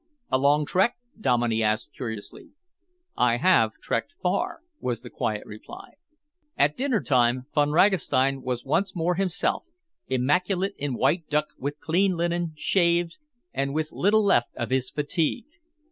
"A long trek?" Dominey asked curiously. "I have trekked far," was the quiet reply. At dinner time, Von Ragastein was once more himself, immaculate in white duck, with clean linen, shaved, and with little left of his fatigue.